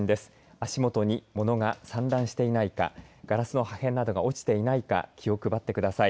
足元に物が散乱していないかガラスの破片などが落ちていないか気を配ってください。